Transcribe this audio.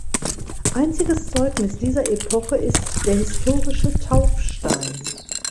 Einziges Zeugnis dieser Epoche ist der historische Taufstein.